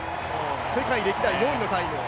世界歴代４位のタイムを。